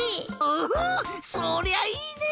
おおそりゃいいね！